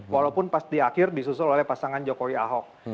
walaupun pas di akhir disusul oleh pasangan jokowi ahok